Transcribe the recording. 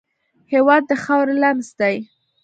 هېواد د خاورې لمس دی.